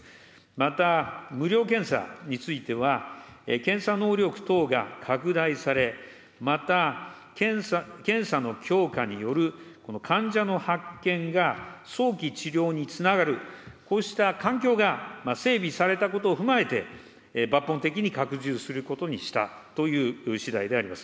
また、無料検査については、検査能力等が拡大され、また、検査の強化による患者の発見が早期治療につながる、こうした環境が整備されたことを踏まえて、抜本的に拡充することにしたというしだいであります。